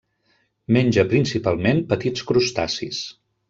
Menja principalment petits crustacis.